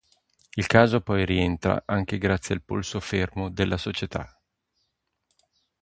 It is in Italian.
Il caso poi rientra anche grazie al polso fermo della società.